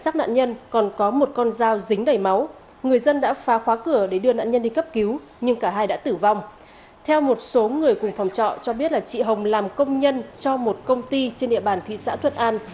theo một số người cùng phòng trọ cho biết là chị hồng làm công nhân cho một công ty trên địa bàn thị xã thuận an